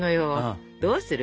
どうする？